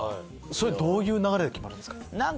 どういう流れで決まるんですか？